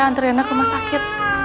antar rena ke rumah sakit